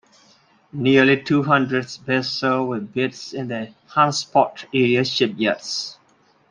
Nearly two hundred vessels were built in the Hantsport area shipyards.